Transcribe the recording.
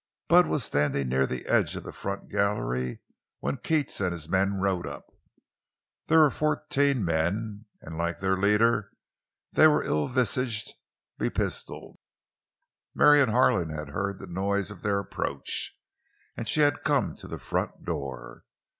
Bud was standing near the edge of the front gallery when Keats and his men rode up. There were fourteen of the men, and, like their leader, they were ill visaged, bepistoled. Marion Harlan had heard the noise of their approach, and she had come to the front door.